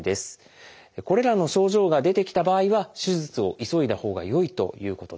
これらの症状が出てきた場合は手術を急いだほうがよいということです。